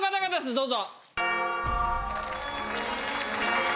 どうぞ。